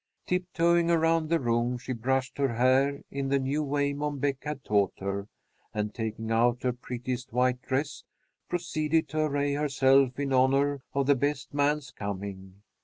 Tiptoeing around the room, she brushed her hair in the new way Mom Beck had taught her, and, taking out her prettiest white dress, proceeded to array herself in honor of the best man's coming.